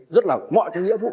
rất là mọi cái nghĩa vụ